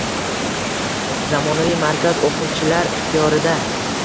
Zamonaviy markaz o‘quvchilar ixtiyorida